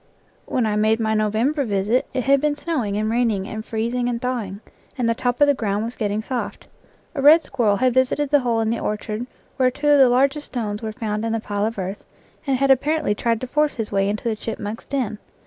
When I made my November visit it had been snowing and raining and freezing and thawing, and the top of the ground was getting soft. A red squir rel had visited the hole in the orchard where two of the largest stones were found in the pile of earth, and had apparently tried to force his way into the chipmunk's den.